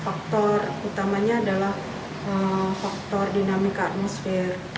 faktor utamanya adalah faktor dinamika atmosfer